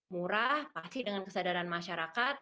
murah pasti dengan kesadaran masyarakat